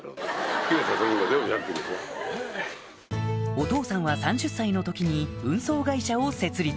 お父さんは３０歳の時に運送会社を設立